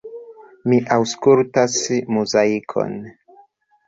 Mi aŭskultas Muzaikon.